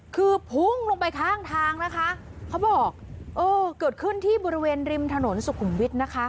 คือพุ่งลงไปข้างทางนะคะเขาบอกเออเกิดขึ้นที่บริเวณริมถนนสุขุมวิทย์นะคะ